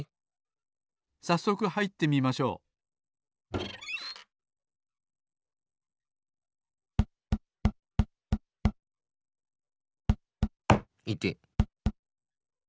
さっそくはいってみましょういてっ！